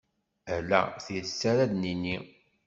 Ala tidet ara d-nini.